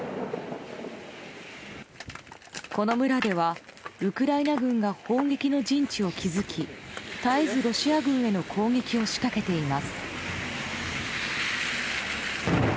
この村では、ウクライナ軍が砲撃の陣地を築き絶えずロシア軍への攻撃を仕掛けています。